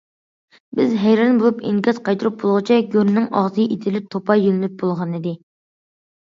بىز ھەيران بولۇپ ئىنكاس قايتۇرۇپ بولغۇچە گۆرنىڭ ئاغزى ئېتىلىپ توپا يۆلىنىپ بولغانىدى.